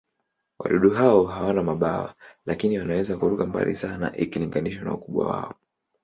Wadudu hao hawana mabawa, lakini wanaweza kuruka mbali sana ikilinganishwa na ukubwa wao.